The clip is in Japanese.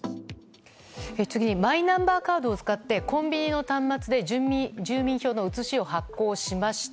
次にマイナンバーカードを使ってコンビニの端末で住民票の写しを発行しました。